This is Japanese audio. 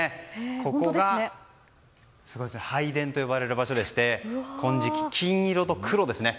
ここが拝殿と呼ばれる場所でして金色と黒ですね。